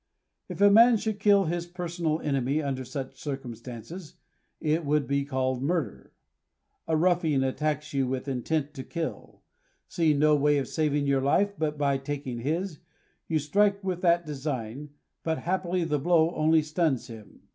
If a man should kill his personal enemy under such circum stances, it would be called murder. A ruffian attacks you with intent to kill. Seeing no way of saving your own life but by taking his, you strike with that design, but happily the blow only stuns him.